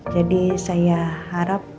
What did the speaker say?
jadi saya harap